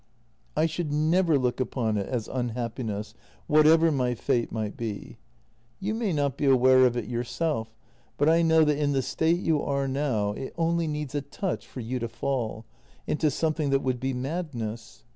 " I should never look upon it as unhappiness whatever my 28 o JENNY fate might be. You may not be aware of it yourself, but I know that in the state you are now it only needs a touch for you to fall — into something that would be madness.